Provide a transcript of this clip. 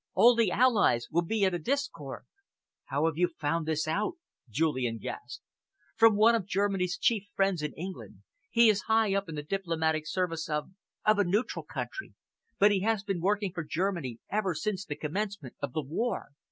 All the Allies will be at a discord." "How have you found this out?" Julian gasped. "From one of Germany's chief friends in England. He is high up in the diplomatic service of of a neutral country, but he has been working for Germany ever since the commencement of the war.